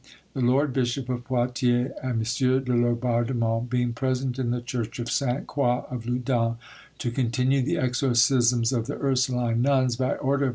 the Lord Bishop of Poitiers and M. de Laubardemont being present in the church of Sainte Croix of Loudun, to continue the exorcisms of the Ursuline nuns, by order of M.